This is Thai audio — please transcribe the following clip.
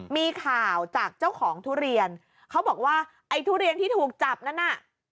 มีข่าวจากเจ้าของทุเรียนเขาบอกว่าไอ้ทุเรียนที่ถูกจับนั้นน่ะ